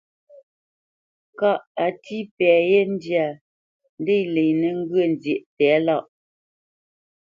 Kâʼ a tí pɛ yé ndyâ, ndě lenə́ ŋgyə̌ nzyéʼ tɛ̌lâʼ.